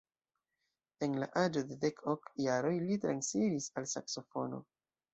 En la aĝo de dek ok jaroj li transiris al saksofono.